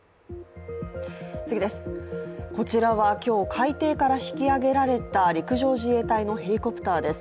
こちらは今日、海底から引き揚げられた陸上自衛隊のヘリコプターです。